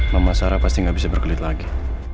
mama sarah pasti nggak bisa berkelit lagi